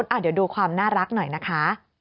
เดี๋ยวดูความน่ารักหน่อยนะคะ